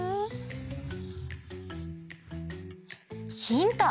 ヒント！